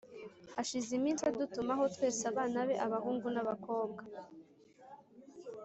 hashize iminsi adutumaho twese abana be, abahungu n’abakobwa,